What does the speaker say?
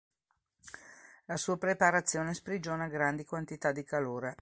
La sua preparazione sprigiona grandi quantità di calore.